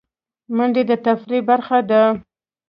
منډه د تفریح برخه ده